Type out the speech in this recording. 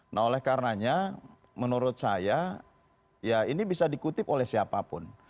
nah oleh karenanya menurut saya ya ini bisa dikutip oleh siapapun